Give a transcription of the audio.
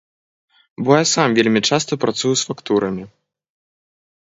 Бо я сам вельмі часта працую з фактурамі.